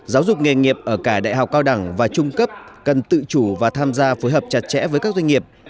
giáo dục nghề nghiệp ở cả đại học cao đẳng và trung cấp cần tự chủ và tham gia phối hợp chặt chẽ với các doanh nghiệp